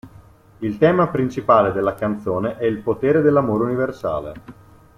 Il tema principale della canzone è il potere dell'amore universale.